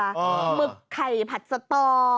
หมึกไข่ผัดสตอ